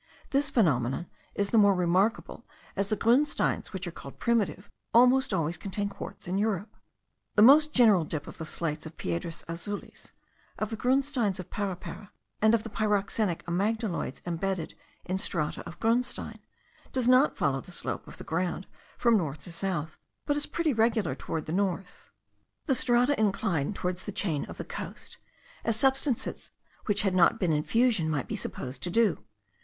This phenomenon is the more remarkable, as the grunsteins which are called primitive almost always contain quartz in Europe. The most general dip of the slates of Piedras Azules, of the grunsteins of Parapara, and of the pyroxenic amygdaloids embedded in strata of grunstein, does not follow the slope of the ground from north to south, but is pretty regular towards the north. The strata incline towards the chain of the coast, as substances which had not been in fusion might be supposed to do.